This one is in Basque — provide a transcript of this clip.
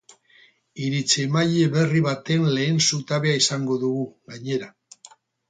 Iritzi-emaile berri baten lehen zutabea izango dugu, gainera.